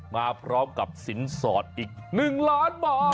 มาพร้อมกับสินสอดอีก๑ล้านบาท